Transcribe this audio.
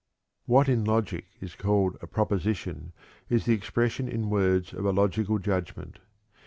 '" What in logic is called a "proposition" is the expression in words of a logical judgment.